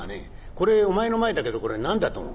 これお前の前だけど何だと思う？」。